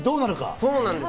そうなんです。